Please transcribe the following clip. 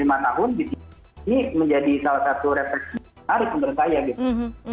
ini menjadi salah satu refleksi menarik menurut saya gitu